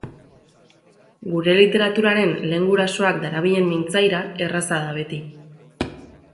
Gure literaturaren lehen gurasoak darabilen mintzaira erraza da beti.